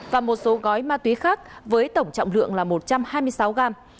và một số gói ma túy khác với tổng trọng lượng là một trăm hai mươi sáu gram